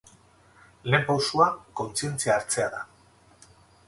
Lehen pausoa kontzientzia hartzea da.